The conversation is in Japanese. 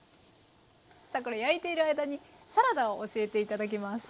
さあこれ焼いている間にサラダを教えて頂きます。